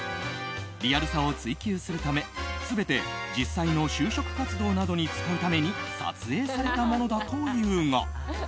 リアルさを追求するため全て、実際の就職活動などに使うために撮影されたものだというが。